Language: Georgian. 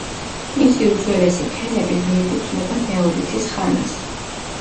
მისი უძველესი ფენები მიეკუთვნება ნეოლითის ხანას.